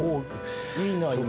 いいな今。